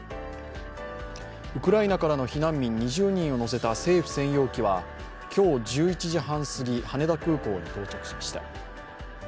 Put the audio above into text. ウクライナからの避難民２０人を乗せた政府専用機は今日１１時半すぎ、羽田空港に到着しました。